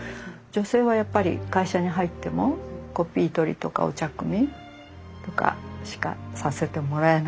女性はやっぱり会社に入ってもコピー取りとかお茶くみとかしかさせてもらえなかったし。